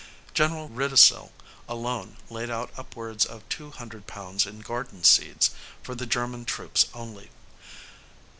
General Riedesel, alone, laid out upwards of two hundred pounds in garden seeds, for the German troops only.